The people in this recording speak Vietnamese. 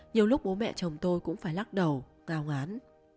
nhiều lúc bố mẹ chồng tôi cũng phải lắc đầu cao ngán